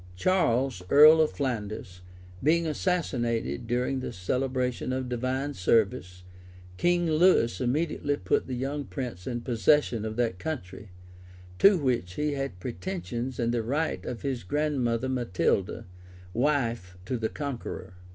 Charles, earl of Flanders, being assassinated during the celebration of divine service, King Lewis immediately put the young prince in possession of that county, to which he had pretensions in the right of his grandmother Matilda, wife to the Conqueror.